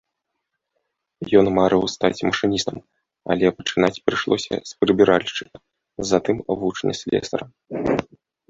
Ён марыў стаць машыністам, але пачынаць прыйшлося з прыбіральшчыка, затым вучня слесара.